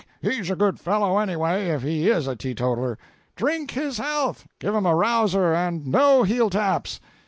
"He's a good fellow, anyway, if he is a teetotaler!" "Drink his health!" "Give him a rouser, and no heeltaps!"